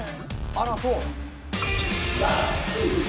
あらそう！